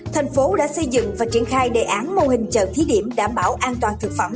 thành phố đã xây dựng và triển khai đề án mô hình chợ thí điểm đảm bảo an toàn thực phẩm